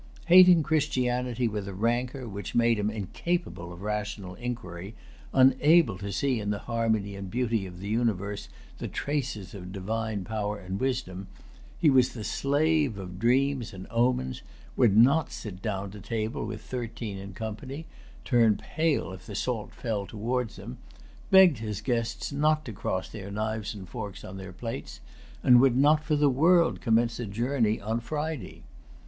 Hating Christianity with a rancor which made him incapable of rational inquiry, unable to see in the harmony and beauty of the universe the traces of divine power and wisdom, he was the slave of dreams and omens, would not sit down to table with thirteen in company, turned pale if the salt fell towards him, begged his guests not to cross their knives and forks on their plates, and would not for the world commence a journey on Friday.